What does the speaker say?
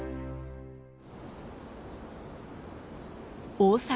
大阪